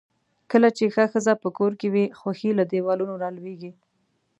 کله چې ښه ښځۀ پۀ کور کې وي، خؤښي له دیوالونو را لؤیږي.